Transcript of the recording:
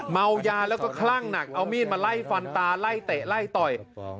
เมายาแล้วก็คลั่งหนักเอามีดมาไล่ฟันตาไล่เตะไล่ต่อย